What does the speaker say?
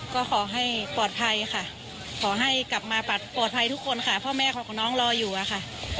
ก็ขอให้ปลอดภัยค่ะขอให้กลับมาปลอดภัยทุกคนค่ะพ่อแม่ของน้องรออยู่อะค่ะ